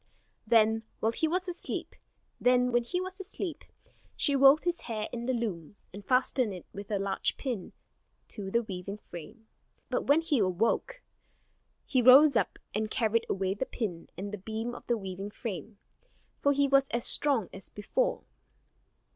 Then, while he was asleep, she wove his hair in the loom, and fastened it with a large pin to the weaving frame. But when he awoke, he rose up, and carried away the pin and the beam of the weaving frame; for he was as strong as before.